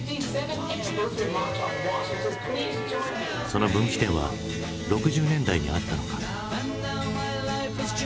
その分岐点は６０年代にあったのか。